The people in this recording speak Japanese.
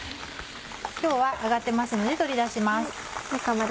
今日は揚がってますので取り出します。